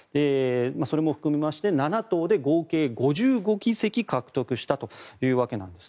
それも含めまして７党で合計５５議席獲得したんです。